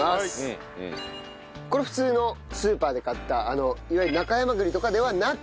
これ普通のスーパーで買ったいわゆる中山栗とかではなく。